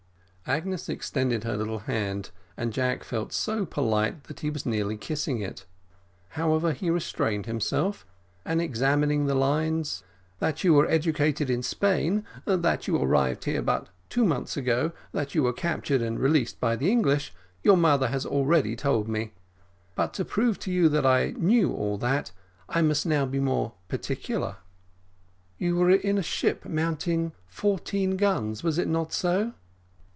Agnes extended her little hand, and Jack felt so very polite, that he was nearly kissing it. However, he restrained himself, and examining the lines: "That you were educated in Spain that you arrived here but two months ago that you were captured and released by the English, your mother has already told me; but to prove to you that I knew all that, I must now be more particular. You were in a ship mounting fourteen guns was it not so?"